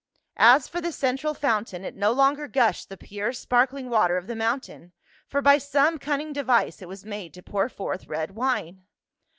As for the central fountain, it no longer gushed the pure sparkling water of the mountain, for by some cunning device it was made to pour forth red wine.